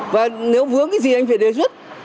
và nếu vướng cái gì anh phải đề xuất